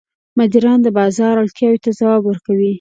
مدیران د بازار اړتیاوو ته ځواب ورکوي.